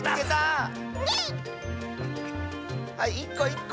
はい１こ１こ！